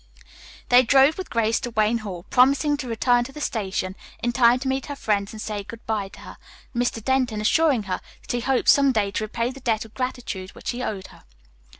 They drove with Grace to Wayne Hall, promising to return to the station in time to meet her friends and say good bye to her, Mr. Denton assuring her that he hoped some day to repay the debt of gratitude which he owed her.